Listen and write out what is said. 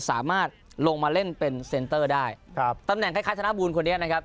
สามารถลงมาเล่นเป็นเซ็นเตอร์ได้ครับตำแหนคล้ายคล้ายธนบูลคนนี้นะครับ